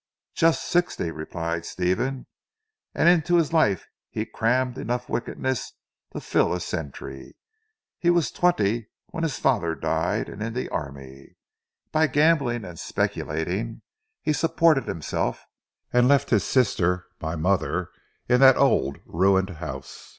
"Just sixty," replied Stephen, "and into his life he crammed enough wickedness to fill a century. He was twenty when his father died, and in the army. By gambling and speculating he supported himself, and left his sister, my mother, in that old ruined house.